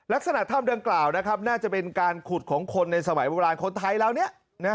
ลักษณะถ้ำดังกล่าวนะครับน่าจะเป็นการขุดของคนในสมัยโบราณคนไทยเหล่านี้